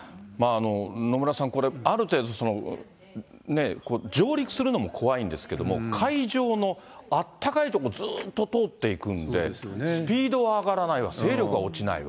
野村さん、これある程度、上陸するのも怖いんですけれども、海上のあったかいとこ、ずーっと通っていくんで、スピードは上がらないわ、勢力は落ちないわ。